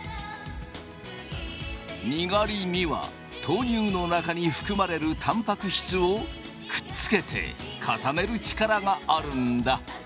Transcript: にがりには豆乳の中に含まれるたんぱく質をくっつけて固める力があるんだ。